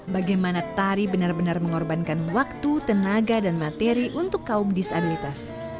bagaimana tari benar benar mengorbankan waktu tenaga dan materi untuk kaum disabilitas